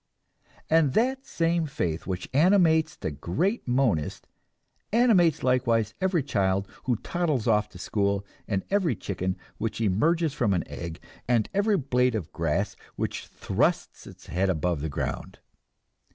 And that same faith which animates the great monist animates likewise every child who toddles off to school, and every chicken which emerges from an egg, and every blade of grass which thrusts its head above the ground.